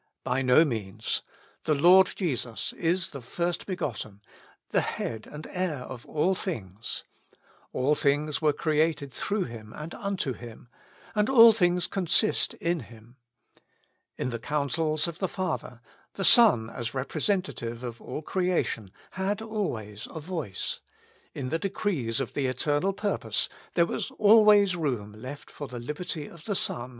By no means. The Lord Jesus is the first begotten, the Head and Heir of all things : all things were created through Hint and imto Him, and all things consist in Him. In the counsels of the Father, the Son, as Representative of all creation, had always a voice ; in the decrees of the eternal purpose there was always room left for the liberty of the Son as 1 See this thought developed in R L,ober, Die Lehre vom Gebet.